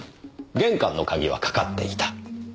玄関の鍵は掛かっていた。